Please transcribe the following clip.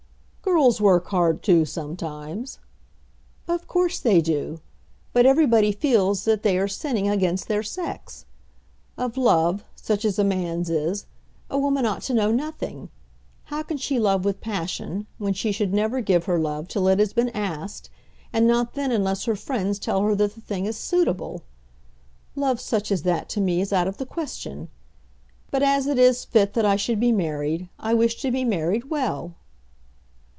"Girls work hard too sometimes." "Of course they do; but everybody feels that they are sinning against their sex. Of love, such as a man's is, a woman ought to know nothing. How can she love with passion when she should never give her love till it has been asked, and not then unless her friends tell her that the thing is suitable? Love such as that to me is out of the question. But, as it is fit that I should be married, I wish to be married well."